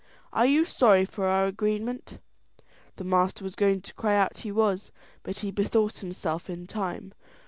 Are you sorry for our agreement?" The master was going to cry out he was, but he bethought himself in time.